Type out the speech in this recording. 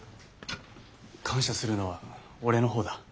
感謝するのは俺の方だ。